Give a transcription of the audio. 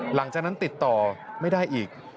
หลังจากนั้นติดต่อไม่ได้อีก